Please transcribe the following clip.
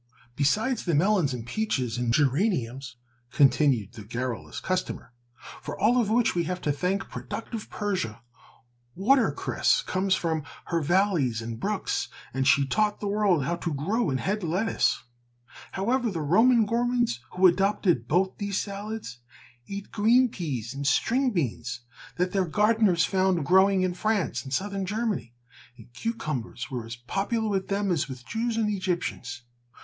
"Besides the melons and peaches and geraniums," continued the garrulous customer, "for all of which we have to thank productive Persia, water cress comes from her valleys and brooks and she taught the world how to grow and head lettuce. However, the Roman gourmands, who adopted both these salads, ate green peas and string beans that their gardeners found growing in France and South Germany, and cucumbers were as popular with them as with the Jews and Egyptians.